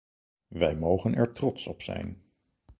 Wij mogen er trots op zijn.